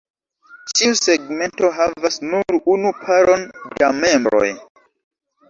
Ĉiu segmento havas nur unu paron da membroj.